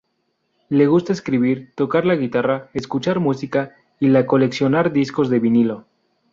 Le gusta escribir, tocar la guitarra, escuchar música y la coleccionar discos de vinilo.